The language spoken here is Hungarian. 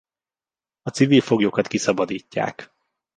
A civil foglyokat kiszabadítják.